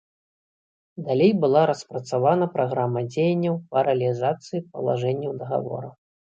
Далей была распрацавана праграма дзеянняў па рэалізацыі палажэнняў дагавора.